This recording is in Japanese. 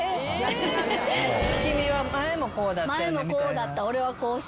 「君は前もこうだった」みたいな？